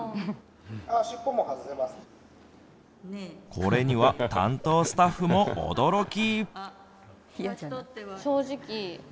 これには担当スタッフも驚き。